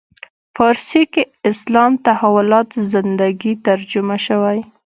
فارسي کې اسلام تحولات زندگی ترجمه شوی.